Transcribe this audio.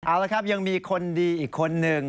เอาละครับยังมีคนดีอีกคนหนึ่ง